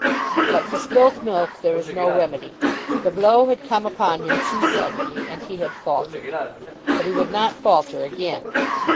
But for spilt milk there is no remedy. The blow had come upon him too suddenly, and he had faltered. But he would not falter again.